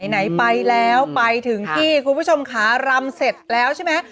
ไหนไปแล้วไปถึงที่คุณผู้ชมขารำเสร็จแล้วใช่ไหม